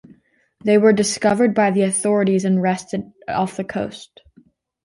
They were discovered by the authorities and arrested off the coast.